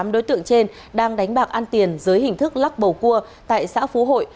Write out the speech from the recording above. tám đối tượng trên đang đánh bạc ăn tiền dưới hình thức lắc bầu cua tại xã phú hội